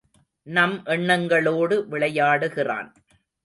நம் எண்ணங்களோடு விளையாடுகிறான்.